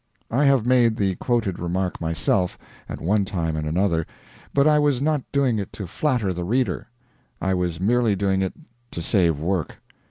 I have made the quoted remark myself, at one time and another, but I was not doing it to flatter the reader; I was merely doing it to save work.